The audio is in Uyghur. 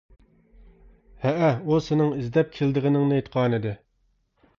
-ھەئە، ئۇ سېنىڭ ئىزدەپ كېلىدىغىنىڭنى ئېيتقانىدى.